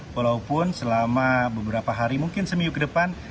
walaupun selama beberapa hari mungkin seminggu ke depan